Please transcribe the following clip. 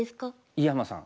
井山さん。